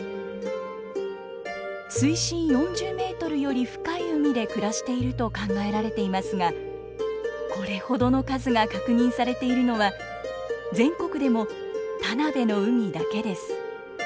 水深４０メートルより深い海で暮らしていると考えられていますがこれほどの数が確認されているのは全国でも田辺の海だけです。